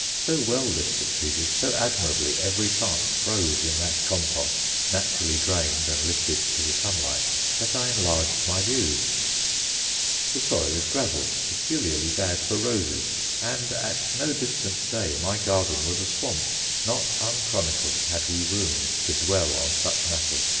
So well this succeeded, so admirably every plant throve in that compost, naturally drained and lifted to the sunlight, that I enlarged my views. The soil is gravel, peculiarly bad for roses; and at no distant day my garden was a swamp, not unchronicled had we room to dwell on such matters.